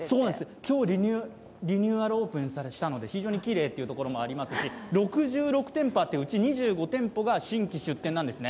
今日リニューアルオープンしたので非常にきれいというのもありますし６６店舗あって、うち２５店舗が新規出店なんですね。